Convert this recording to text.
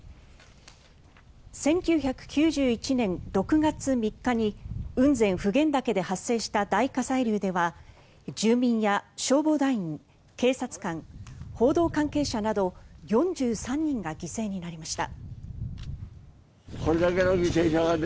１９９１年６月３日に雲仙・普賢岳で発生した大火砕流では住民や消防団員、警察官報道関係者など４３人が犠牲になりました。